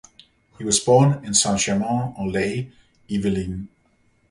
He was born in Saint-Germain-en-Laye, Yvelines.